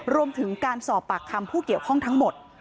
รวมถึงการสอบปากคำผู้เกี่ยวข้องทั้งหมด